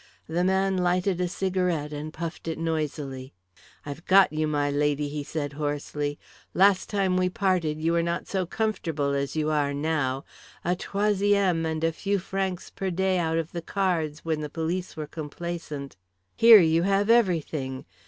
The man lighted a cigarette and puffed it noisily. "I've got you, my lady," he said hoarsely. "Last time we parted you were not so comfortable as you are now, a troisième and a few francs per day out of the cards when the police were complaisant. Here you have everything.